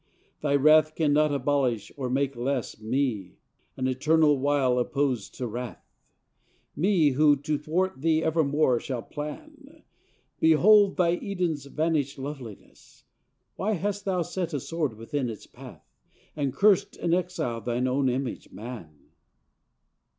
Thy wrath can not abolish or make less Me, an eternal wile opposed to wrath: Me, who to thwart thee evermore shall plan! Behold thy Eden's vanished loveliness! Why hast thou set a sword within its path, And cursed and exiled thine own image, Man?